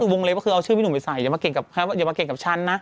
วงเล็บก็คือเอาชื่อพี่หนุ่มไปใส่อย่ามาเก่งกับฉันนะ